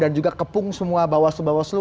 dan juga kepung semua bawah selu bawah selu